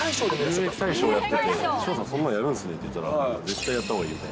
乳液大将やってて、翔さん、そんなんやるんですねって言ったら、絶対やったほうがいいよって。